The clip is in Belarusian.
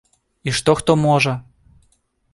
І што хто можа?